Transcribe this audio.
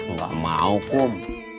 nggak mau kum